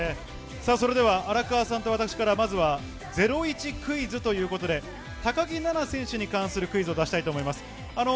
それでは荒川さんと私から、まずはゼロイチクイズということで、高木菜那選手に関するクイズを出したいと思います。